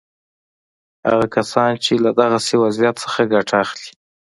هغه کسان چې له دغسې وضعیت څخه ګټه اخلي.